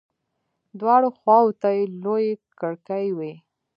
دواړو خواو ته يې لويې کړکۍ وې.